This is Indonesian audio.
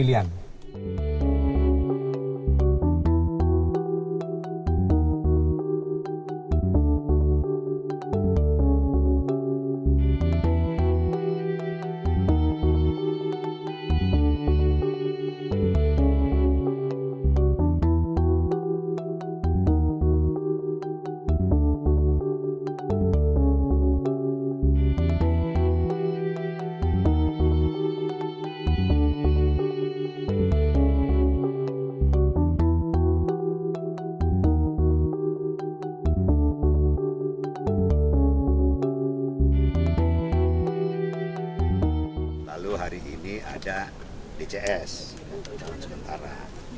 lalu hari ini ada dcs tahun sementara